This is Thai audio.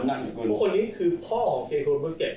คุณคนนี้คือพ่อของเซียโคลบุสเก็ต